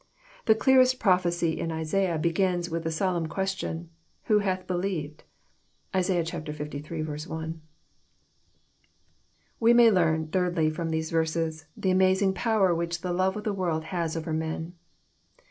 The clearest prophecy in Isaiah begins with the solemn question, '' Who hath believed? " (Isai. liii. 1.) We may learn, thirdly, from these verses, the amazing power which the love of the world has over men.